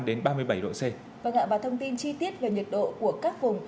và ngạc báo thông tin chi tiết về nhật độ của các vùng